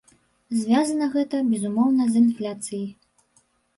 Звязана гэта, безумоўна, з інфляцыяй.